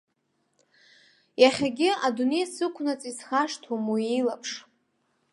Иахьагьы, адунеи сықәнаҵы исхашҭуам уи илаԥш.